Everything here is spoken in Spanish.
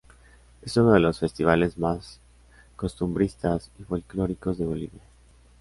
Es uno de los festivales más costumbristas y folklóricos de Bolivia.